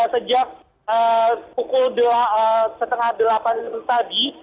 sejak pukul setengah delapan tadi